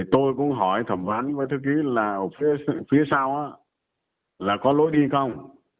tôi cũng hỏi thẩm phán với thư ký là phía sau là có lối đi không